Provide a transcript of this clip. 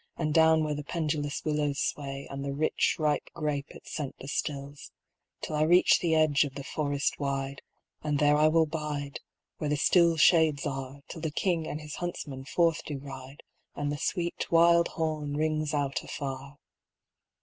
And down where the pendulous willows sway, And the rich, ripe grape its scent distils —" Till I reach the edge of the forest wide ; And there will I bide, where the still shades are, Till the King and his huntsmen forth do ride, And the sweet wild horn rings out afar.